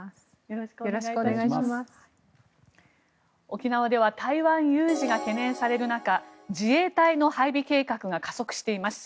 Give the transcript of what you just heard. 沖縄では台湾有事が懸念される中自衛隊の配備計画が加速しています。